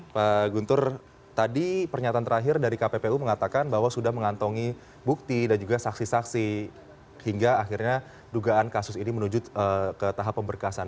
pak guntur tadi pernyataan terakhir dari kppu mengatakan bahwa sudah mengantongi bukti dan juga saksi saksi hingga akhirnya dugaan kasus ini menuju ke tahap pemberkasan